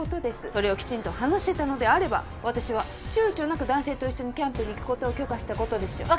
それをきちんと話せたのであれば私は躊躇なく男性と一緒にキャンプに行くことを許可したことでしょう。